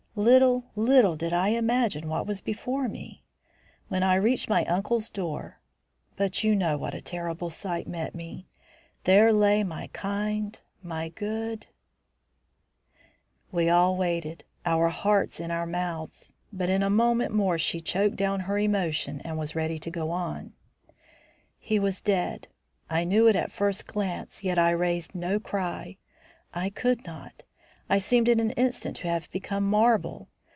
Little, little did I imagine what was before me. When I reached my uncle's door, but you know what a terrible sight met me. There lay my kind my good " We all waited, our hearts in our mouths, but in a moment more she choked down her emotion and was ready to go on. "He was dead. I knew it at first glance, yet I raised no cry. I could not. I seemed in an instant to have become marble.